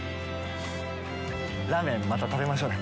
ラーメンまた食べましょうね。